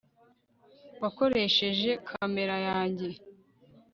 wakoresheje kamera yanjye